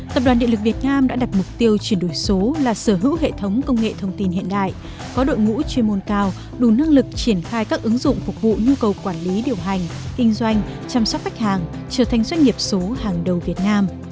tập đoàn điện lực việt nam đã đặt mục tiêu chuyển đổi số là sở hữu hệ thống công nghệ thông tin hiện đại có đội ngũ chuyên môn cao đủ năng lực triển khai các ứng dụng phục vụ nhu cầu quản lý điều hành kinh doanh chăm sóc khách hàng trở thành doanh nghiệp số hàng đầu việt nam